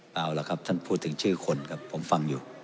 เอาล่ะครับท่านพูดถึงชื่อคนครับผมฟังอยู่